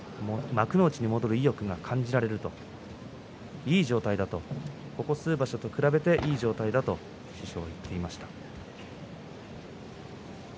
幕内に戻る意欲が感じられるといい状態だとここ数場所と比べていい状態だと師匠が言っていました。